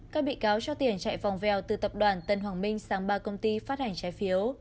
các bị cáo cho tiền chạy vòng vèo từ tập đoàn tân hoàng minh sang ba công ty phát hành trái phiếu